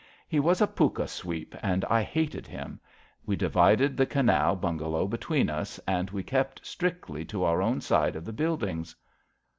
He was a pukka sweep, and I hated him. We divided the Canal bungalow between us, and we kept strictly to our own side of the buildings."